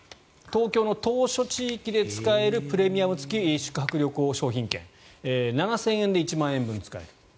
東京の島しょ地域で使えるプレミアム付き宿泊旅行商品券７０００円で１万円分使える